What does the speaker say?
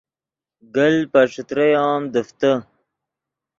گلت پے ݯتریو ام دیفتے